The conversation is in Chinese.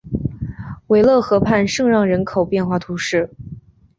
韦勒河畔圣让人口变化图示